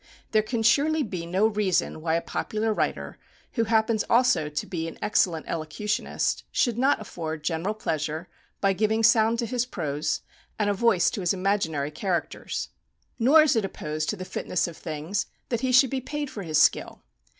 There can surely be no reason why a popular writer, who happens also to be an excellent elocutionist, should not afford general pleasure by giving sound to his prose, and a voice to his imaginary characters. Nor is it opposed to the fitness of things that he should be paid for his skill.